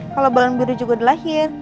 kalau balon biru juga udah lahir